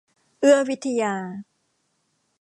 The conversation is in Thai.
เอื้อวิทยา